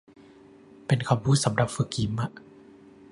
เป็นคำพูดสำหรับฝึกยิ้มอ่ะ